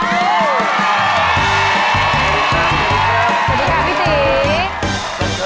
สวัสดีค่ะสวัสดีครับ